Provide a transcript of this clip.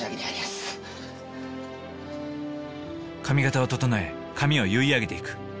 髪形を整え髪を結い上げていく。